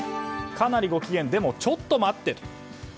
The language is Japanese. かなりご機嫌でもちょっと待ってと。